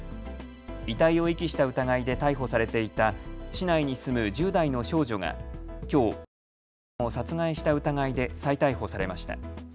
遺体を遺棄した疑いで逮捕されていた市内に住む１０代の少女がきょう赤ちゃんを殺害した疑いで再逮捕されました。